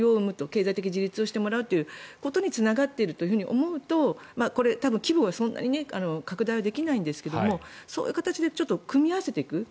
経済的自立してもらうということにつながっていると思うとこれ、多分規模はそんなに拡大はできないんですがそういう形で組み合わせていく。